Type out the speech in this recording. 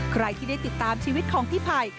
ใครที่ได้ติดตามชีวิตของพี่ไผ่